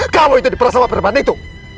kalau itu diperas sama perman itu